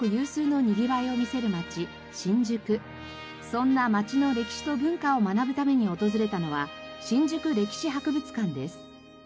そんな街の歴史と文化を学ぶために訪れたのは新宿歴史博物館です。